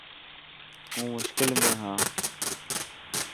هون مشڪل ۾ هان.